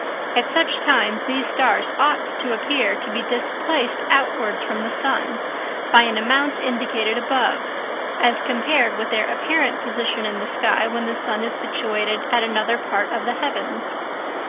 At such times, these stars ought to appear to be displaced outwards from the sun by an amount indicated above, as compared with their apparent position in the sky when the sun is situated at another part of the heavens.